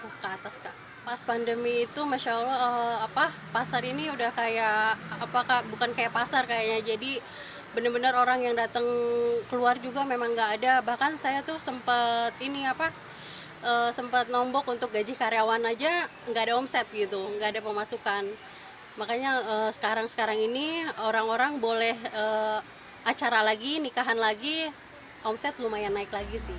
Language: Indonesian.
kemaren bisa sepuluh ke atas kak pas pandemi itu masya allah apa pasar ini udah kayak apa kak bukan kayak pasar kayaknya jadi bener bener orang yang datang keluar juga memang nggak ada bahkan saya tuh sempet ini apa sempet nombok untuk gaji karyawan aja nggak ada omset gitu nggak ada pemasukan makanya sekarang sekarang ini orang orang boleh acara lagi nikahan lagi omset lumayan naik lagi sih